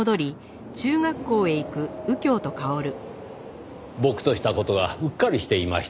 僕とした事がうっかりしていました。